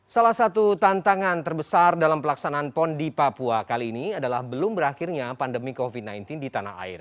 salah satu tantangan terbesar dalam pelaksanaan pon di papua kali ini adalah belum berakhirnya pandemi covid sembilan belas di tanah air